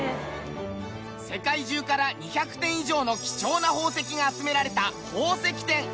世界中から２００点以上の貴重な宝石が集められた宝石展。